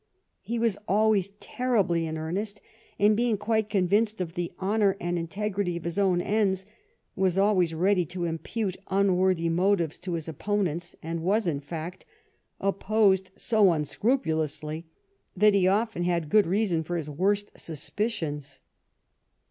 He was always terribly in earnest, and being quite convinced of the honour and integrity of his own ends, was always ready to impute unworthy motives to his opponents, and was, in fact, opposed so imscrupulously that he often had good reason for his worst suspicions.